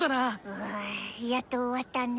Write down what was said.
ああやっと終わったね。